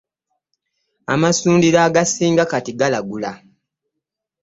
Amasundiro agasinga kati "galagula".